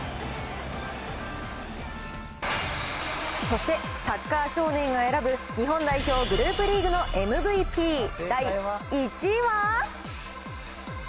そして、サッカー少年が選ぶ日本代表グループリーグのＭＶＰ第１位は。